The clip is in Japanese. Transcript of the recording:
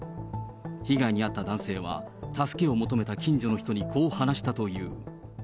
被害に遭った男性は、助けを求めた近所の人にこう話したという。